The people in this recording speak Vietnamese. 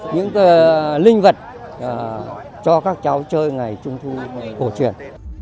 những linh vật cho các cháu chơi ngày trung thu cổ truyền